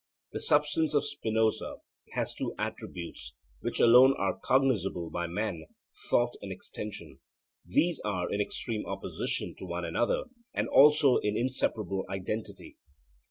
The substance of Spinoza has two attributes, which alone are cognizable by man, thought and extension; these are in extreme opposition to one another, and also in inseparable identity.